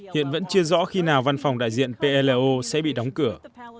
hiện vẫn chưa rõ khi nào văn phòng đại diện plo sẽ bị đóng cửa